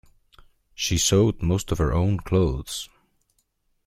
She sewed most of her own clothes.